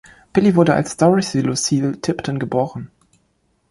Billy wurde als Dorothy Lucille Tipton geboren.